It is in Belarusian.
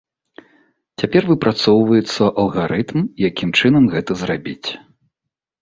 Цяпер выпрацоўваецца алгарытм, якім чынам гэта зрабіць.